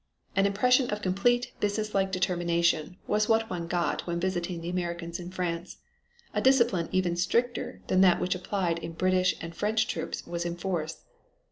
An impression of complete businesslike determination was what one got when visiting the Americans in France. A discipline even stricter than that which applied in British and French troops was in force.